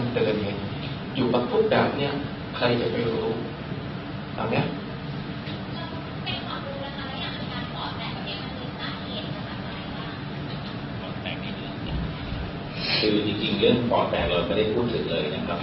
คือจริงเรื่องบ่อแตกเราจะได้พูดถึงเลยนะครับ